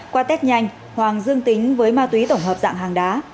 qua test nhanh hoàng dương tính với ma túy tổng hợp dạng hàng đá